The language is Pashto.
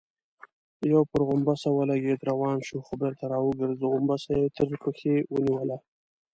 يو پر غومبسه ولګېد، روان شو، خو بېرته راوګرځېد، غومبسه يې تر پښې ونيوله.